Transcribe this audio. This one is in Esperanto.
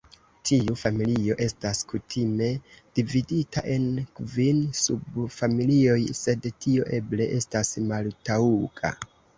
Tiu familio estas kutime dividita en kvin subfamilioj, sed tio eble estas maltaŭga.